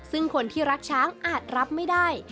ซึ่งคนที่รักช้างอาจรับไม่ได้